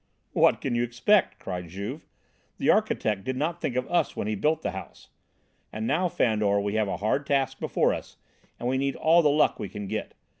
"What can you expect?" cried Juve. "The architect did not think of us when he built the house. And now, Fandor, we have a hard task before us and we need all the luck we can get.